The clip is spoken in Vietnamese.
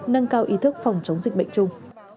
nâng cao ý thức phòng chống dịch bệnh chung